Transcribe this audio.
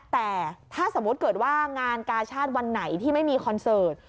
แต่ถ้าสมมุติเกิดว่างานกาชาติวันไหนที่ไม่มีคอนเสิร์ต